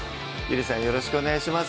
よろしくお願いします